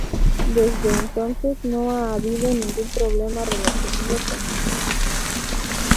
Desde entonces, no ha habido ningún problema relacionado con este incidente.